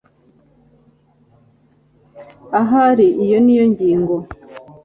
ahari iyo niyo ngingo